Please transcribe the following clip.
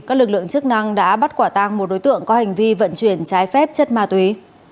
các lực lượng chức năng đã bắt quả tang một đối tượng có hành vi vận chuyển trái phép chất ma túy